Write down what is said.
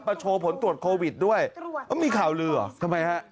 โชว์ผลตรวจโควิดด้วยมีข่าวลือเหรอทำไมฮะ